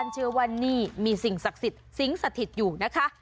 เชื่อว่านี่มีสิ่งศักดิ์สิทธิ์สิงสถิตอยู่นะคะ